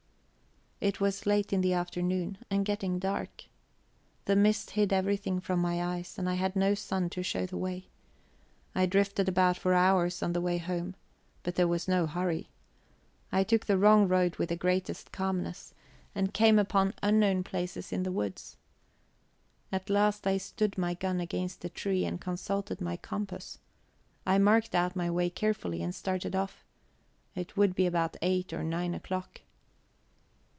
It was late in the afternoon, and getting dark; the mist hid everything from my eyes, and I had no sun to show the way. I drifted about for hours on the way home, but there was no hurry. I took the wrong road with the greatest calmness, and came upon unknown places in the woods. At last I stood my gun against a tree and consulted my compass. I marked out my way carefully and started off. It would be about eight or nine o'clock.